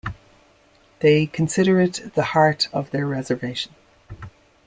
They consider it the heart of their reservation.